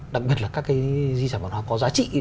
đặc biệt là các cái di sản văn hóa có giá trị